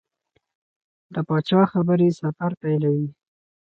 د پاچا خبرې سفر پیلوي.